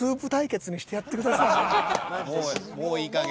あともういいかげん。